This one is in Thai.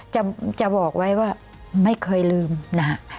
จะบอกไว้ว่าไม่เคยลืมนะฮะ